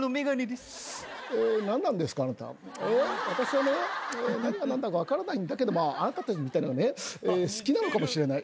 私はね何が何だか分からないんだけどあなたたちみたいのがね好きなのかもしれない。